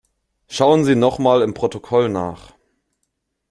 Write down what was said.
Schauen Sie noch mal im Protokoll nach.